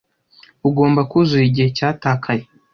Ugomba kuzuza igihe cyatakaye.